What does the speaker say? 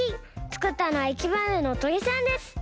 つくったのはいちばんうえのとりさんです。